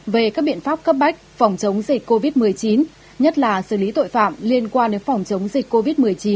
về các biện pháp cấp bách phòng chống dịch covid một mươi chín nhất là xử lý tội phạm liên quan đến phòng chống dịch covid một mươi chín